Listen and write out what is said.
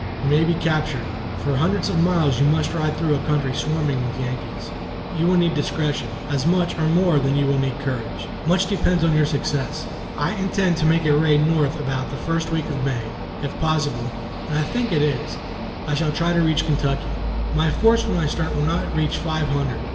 You may be captured. For hundreds of miles you must ride through a country swarming with Yankees. You will need discretion, as much or more than you will need courage. Much depends on your success. I intend to make a raid north about the first week in May. If possible (and I think it is), I shall try to reach Kentucky. My force when I start will not reach five hundred.